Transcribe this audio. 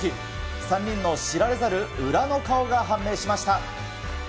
３人の知られざる裏の顔が判明しました。